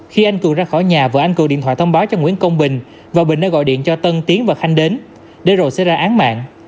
khi anh cường ra khỏi nhà vợ anh cường điện thoại thông báo cho nguyễn công bình và bình đã gọi điện cho tân tiến và khanh đến để rồi xe ra án mạng